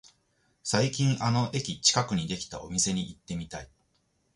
最近あの駅近くにできたお店に行ってみたい